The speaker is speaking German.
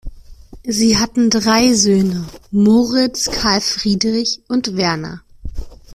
Sie hatten drei Söhne: Moritz, Karl-Friedrich und Werner.